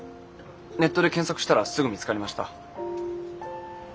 ネットで検索したらすぐ見つかりました。